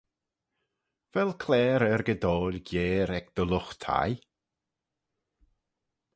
Vel claare argidoil geyre ec dty lught thie?